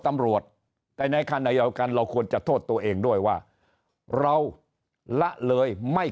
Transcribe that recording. ตำรวจแต่ในขณะเดียวกันเราควรจะโทษตัวเองด้วยว่าเราละเลยไม่